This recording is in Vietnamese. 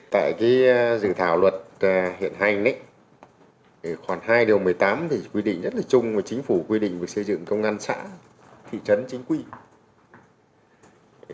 tại dự thảo luật hiện hành khoảng hai điều một mươi tám thì quy định rất là chung chính phủ quy định về xây dựng công an xã thị trấn chính quy